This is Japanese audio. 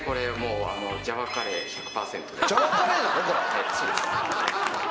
はいそうです。